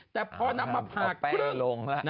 แต่พอนับมาภาคพึ่ง